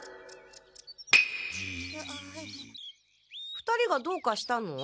２人がどうかしたの？